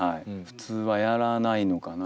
普通はやらないのかな？